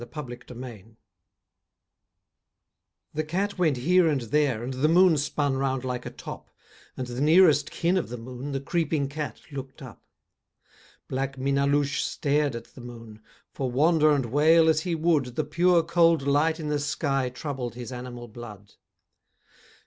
_ THE CAT AND THE MOON The cat went here and there And the moon spun round like a top, And the nearest kin of the moon The creeping cat looked up. Black Minnaloushe stared at the moon, For wander and wail as he would The pure cold light in the sky Troubled his animal blood.